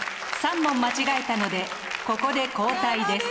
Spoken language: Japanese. ３問間違えたのでここで交代です。